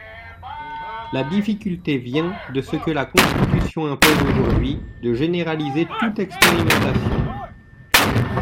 La difficulté vient de ce que la Constitution impose aujourd’hui de généraliser toute expérimentation.